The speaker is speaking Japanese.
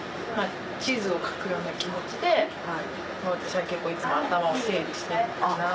地図を描くような気持ちで私は結構いつも頭を整理してるかな。